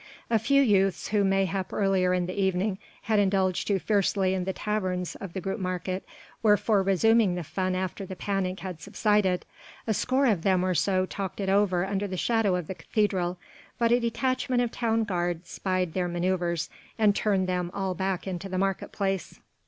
A few youths, who mayhap earlier in the evening had indulged too freely in the taverns of the Grootemarkt, were for resuming the fun after the panic had subsided. A score of them or so talked it over under the shadow of the cathedral, but a detachment of town guard spied their manoeuvres and turned them all back into the market place.